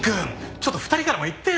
ちょっと２人からも言ってよ。